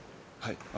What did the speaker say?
はい。